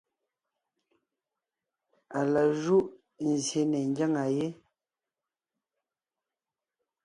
Á la júʼ nzsyè ne ńgyáŋa yé,